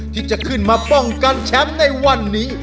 ที่จะขึ้นมาป้องกันแชมป์ในวันนี้